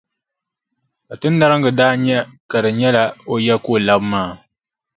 Kpatinariŋga daa nya ka di nyɛla o ya ka o labi maa.